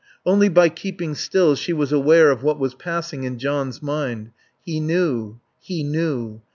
Only by keeping still she was aware of what was passing in John's mind. He knew. He knew.